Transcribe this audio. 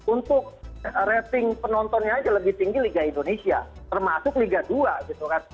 untuk rating penontonnya aja lebih tinggi liga indonesia termasuk liga dua gitu kan